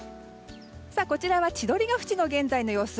こちらは千鳥ケ淵の現在の様子。